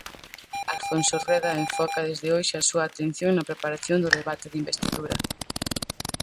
Alfonso Rueda enfoca desde hoxe a súa atención na preparación do debate de investidura.